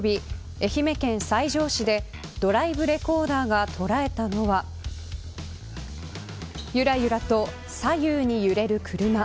愛媛県西条市でドライブレコーダーが捉えたのはゆらゆらと左右に揺れる車。